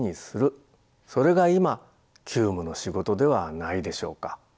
それが今急務の仕事ではないでしょうか。